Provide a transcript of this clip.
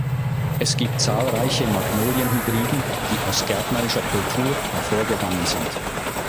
Es gibt zahlreiche Magnolien-Hybriden, die aus gärtnerischer Kultur hervorgegangen sind.